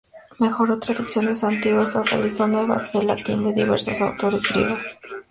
Mejoró traducciones antiguas o realizó nuevas al latín de diversos autores griegos.